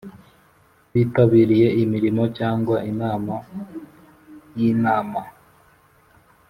bitabiriye imirimo cyangwa inama y Inama